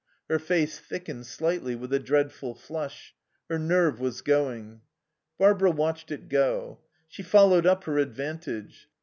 Her face thickened slightly with a dreadful flush. Her nerve was going. Barbara watched it go. She followed up her advantage.